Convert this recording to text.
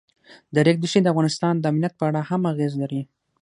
د ریګ دښتې د افغانستان د امنیت په اړه هم اغېز لري.